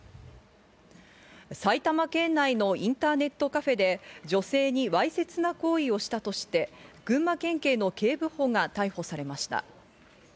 埼玉県内のインターネットカフェで女性にわいせつな行為をしたとして、群馬県警の警部補が逮捕されました。